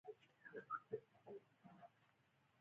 جرمنیان کولای شي، چې دلته هم راشي.